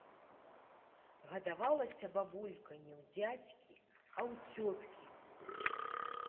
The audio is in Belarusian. Гадавалася бабулька не ў дзядзькі, а ў цёткі.